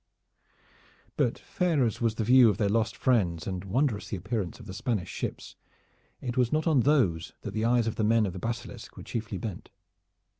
But fair as was the view of their lost friends, and wondrous the appearance of the Spanish ships, it was not on those that the eyes of the men of the Basilisk were chiefly bent.